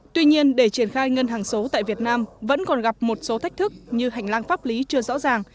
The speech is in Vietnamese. tuy nhiên để triển khai ngân hàng số tại việt nam vẫn còn gặp một số thách thức như hành lang pháp lý chưa rõ ràng